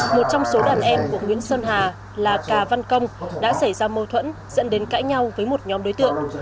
một trong số đàn em của nguyễn sơn hà là cà văn công đã xảy ra mâu thuẫn dẫn đến cãi nhau với một nhóm đối tượng